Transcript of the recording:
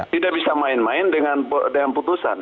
tidak bisa main main dengan putusan